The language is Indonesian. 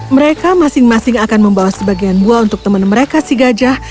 mereka masing masing akan membawa sebagian buah untuk teman mereka si gajah